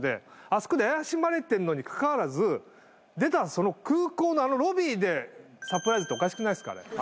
あそこで怪しまれてんのにかかわらず出たその空港のあのロビーでサプライズっておかしくないですかあれ。